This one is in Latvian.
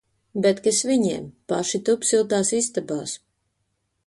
Bet kas viņiem! Paši tup siltās istabās!